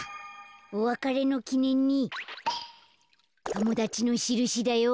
おわかれのきねんにともだちのしるしだよ。